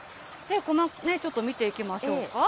ちょっと見ていきましょうか。